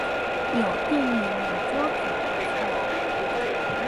有電源的桌子不錯